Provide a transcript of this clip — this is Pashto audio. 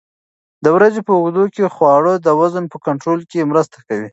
د ورځې په اوږدو کې خواړه د وزن په کنټرول کې مرسته کوي.